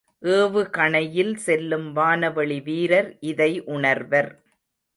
ஏவுகணையில் செல்லும் வானவெளி வீரர் இதை உணர்வர்.